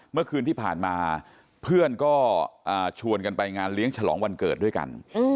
เมื่อคืนที่ผ่านมาเพื่อนก็ชวนกันไปงานเลี้ยงฉลองวันเกิดด้วยกัน